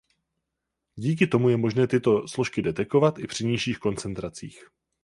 Díky tomu je možné tyto složky detekovat i při nižších koncentracích.